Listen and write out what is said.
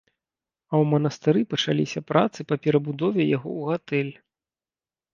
А ў манастыры пачаліся працы па перабудове яго ў гатэль.